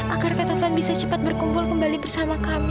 agar kata van bisa cepat berkumpul kembali bersama kami ya allah